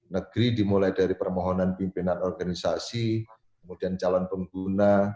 negeri dimulai dari permohonan pimpinan organisasi kemudian calon pengguna